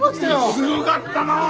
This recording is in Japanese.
すごがったなあ。